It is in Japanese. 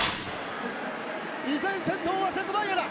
依然先頭は瀬戸大也だ！